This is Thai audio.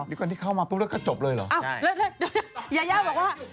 ที่กดที่เข้ามาปุ๊บเลิกก็จบเลยเหรออ่าเดินยายาออกว่า